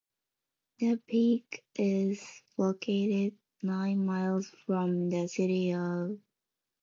The peak is located nine miles from the city of Mesquite.